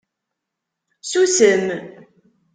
Susem.